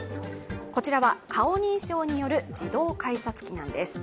こちらは顔認証による自動改札機なんです。